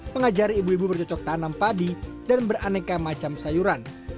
mengajari ibu ibu bercocok tanam padi dan beraneka macam sayuran